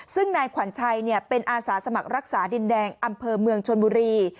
ซึ่งนายขวัญชัยเป็นอาสาสมัครรักษาดินแดงอำเภอเมืองชนบุรี